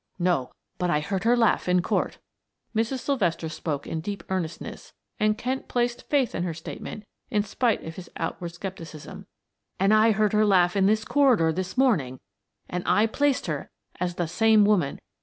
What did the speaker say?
"No, but I heard her laugh in court," Mrs. Sylvester spoke in deep earnestness and Kent placed faith in her statement in spite of his outward skepticism. "And I heard her laugh in this corridor this morning and I placed her as the same woman.